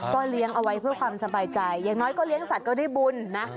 ก็เลี้ยงเอาไว้เพื่อความสบายใจอย่างน้อยก็เลี้ยงสัตว์ก็ได้บุญนะ